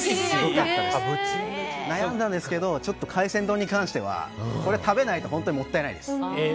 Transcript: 悩んだんですけど海鮮丼に関しては食べていただかないともったいないです。